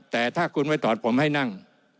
แต่ถ้าคุณไม่ถอดผมให้นั่ง